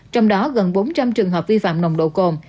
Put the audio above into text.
trong đó gần bốn trăm linh trường hợp vi phạm nồng độ cồn